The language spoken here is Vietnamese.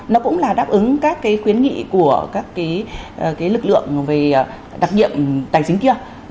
nó cũng là đáp ứng các cái khuyến nghị của các lực lượng về đặc nhiệm tài chính kia